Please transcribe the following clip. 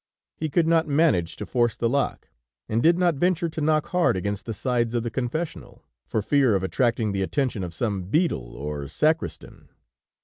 He could not manage to force the lock, and did not venture to knock hard against the sides of the confessional, for fear of attracting the attention of some beadle or sacristan.